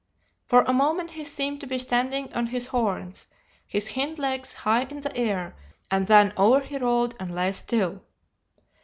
For a moment he seemed to be standing on his horns, his hind legs high in the air, and then over he rolled and lay still.